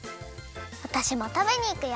わたしもたべにいくよ！